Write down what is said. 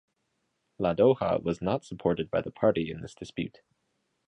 Ladoja was not supported by the party in this dispute.